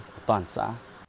của toàn xã